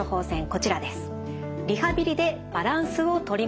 こちらです。